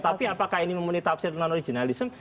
tapi apakah ini memenuhi tafsir non originalism